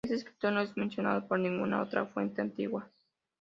Este escritor no es mencionado por ninguna otra fuente antigua.